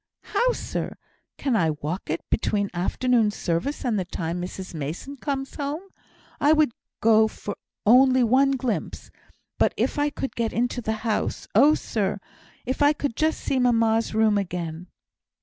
"How, sir? Can I walk it between afternoon service and the time Mrs Mason comes home? I would go for only one glimpse; but if I could get into the house oh, sir! if I could just see mamma's room again!"